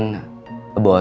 apa yang kamu mau lakukan